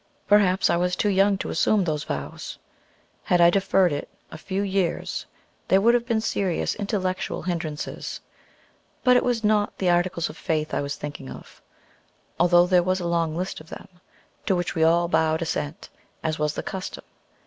Perhaps I was too young to assume those vows. Had I deferred it a few years there would have been serious intellectual hindrances. But it was not the Articles of Faith I was thinking of, although there was a long list of them, to which we all bowed assent, as was the custom.